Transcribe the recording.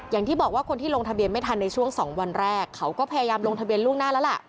อย่างที่บอกว่าคนที่ลงทะเบียนไม่ทันในช่วง๒วันแรกเขาก็พยายามลงทะเบียนล่วงหน้าแล้วล่ะ